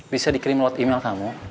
bisa dikirim lewat email kamu